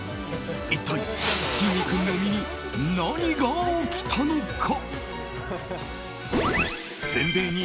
一体、きんに君の身に何が起きたのか。